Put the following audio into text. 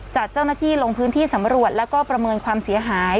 จัดเจ้าหน้าที่ลงพื้นที่สำรวจแล้วก็ประเมินความเสียหาย